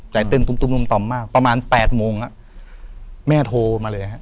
ใจเต้นตุ้มนุ่มต่อมมากประมาณ๘โมงแม่โทรมาเลยฮะ